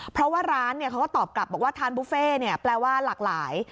เพราะว่าร้านเขาก็ตอบกลับบอกว่าทานบุฟเฟ่แปลว่าหลากหลาย